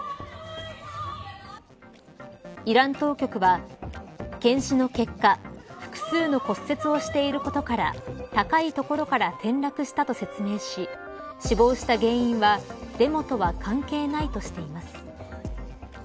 イラン当局は検視の結果複数の骨折をしていることから高い所から転落したと説明し死亡した原因はデモとは関係ないとしています。